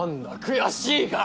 悔しいか？